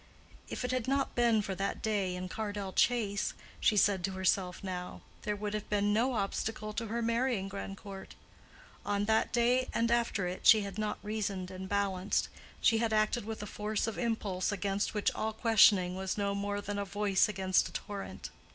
If it had not been for that day in Cardell Chase, she said to herself now, there would have been no obstacle to her marrying Grandcourt. On that day and after it, she had not reasoned and balanced; she had acted with a force of impulse against which all questioning was no more than a voice against a torrent.